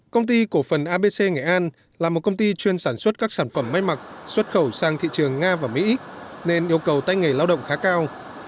công ty cổ phần abc nghệ an là một công ty chuyên sản xuất các sản phẩm máy mặc xuất khẩu sang thị trường nga và mỹ nên yêu cầu tay nghề lao động khá cao